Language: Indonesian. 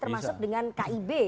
termasuk dengan kib